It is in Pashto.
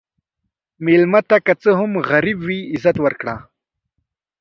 مېلمه ته که څه هم غریب وي، عزت ورکړه.